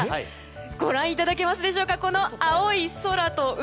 ご覧いただけますでしょうかこの青い空と海。